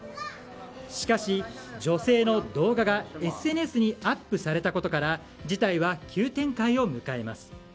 しかし、女性の動画がＳＮＳにアップされたことから事態は急展開を迎えます。